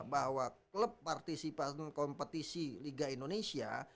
bahwa klub partisipasi kompetisi liga indonesia